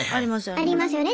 ありますよね。